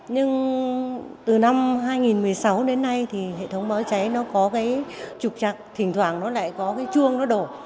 nhưng từ năm hai nghìn một mươi sáu đến nay thì hệ thống báo cháy nó có cái trục chặt thỉnh thoảng nó lại có cái chuông nó đổ